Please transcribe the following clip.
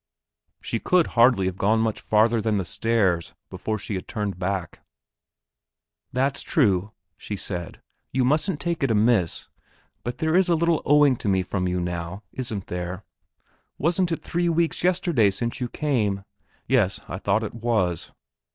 She could hardly have gone much farther than the stairs before she had turned back. "That's true," said she; "you mustn't take it amiss; but there is a little owing to me from you now, isn't there? Wasn't it three weeks yesterday since you came?" Yes, I thought it was.